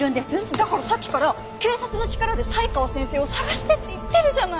だからさっきから警察の力で才川先生を捜してって言ってるじゃない！